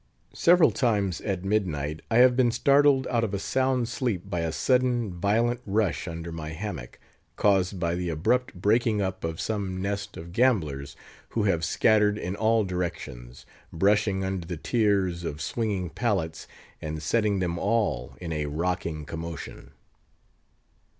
Several times at midnight I have been startled out of a sound sleep by a sudden, violent rush under my hammock, caused by the abrupt breaking up of some nest of gamblers, who have scattered in all directions, brushing under the tiers of swinging pallets, and setting them all in a rocking commotion.